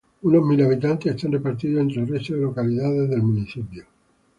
Unos mil habitantes están repartidos entre el resto de localidades del municipio.